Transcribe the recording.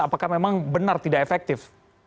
apakah memang benar tidak efektif